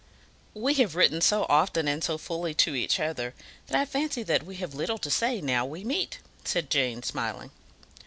"We have written so often and so fully to each other that I fancy that we have little to say now we meet," said Jane, smiling.